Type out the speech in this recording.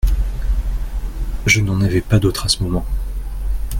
Je n'en avais pas d'autre à ce moment.